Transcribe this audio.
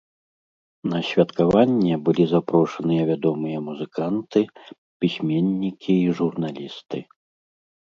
На святкаванне былі запрошаныя вядомыя музыканты, пісьменнікі і журналісты.